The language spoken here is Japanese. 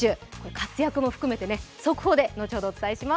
活躍も含めて速報で後ほどお伝えします。